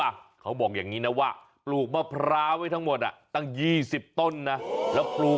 มาครบทั้งหน้าเลยเหรอ